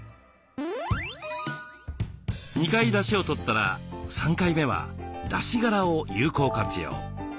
２回だしをとったら３回目はだしがらを有効活用。